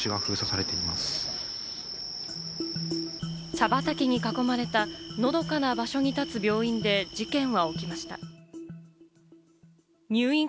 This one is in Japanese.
茶畑に囲まれた、のどかな場所に建つ病院で事件は起きました。